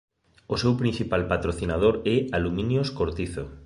O seu principal patrocinador é Aluminios Cortizo.